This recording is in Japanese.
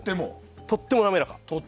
とっても滑らか。